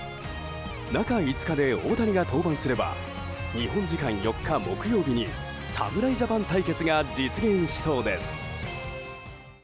中５日で大谷が登板すれば日本時間４日、木曜日に侍ジャパン対決が実現しそうです。